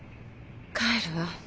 帰るわ。